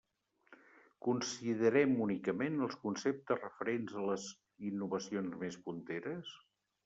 Considerem únicament els conceptes referents a les innovacions més punteres?